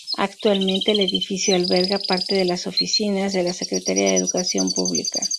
Actualmente el edificio alberga parte de las oficinas de la Secretaría de Educación Pública.